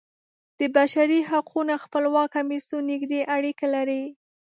د بشري حقونو خپلواک کمیسیون نږدې اړیکې لري.